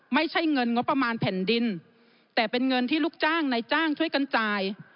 ไม่ใช่เงินงบประมาณแผ่นดินแต่เป็นเงินที่ลูกจ้างในจ้างช่วยกันจ่าย